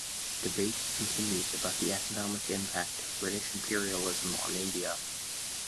Debate continues about the economic impact of British imperialism on India.